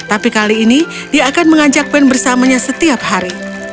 tapi kali ini dia akan mengajak ben bersamanya setiap hari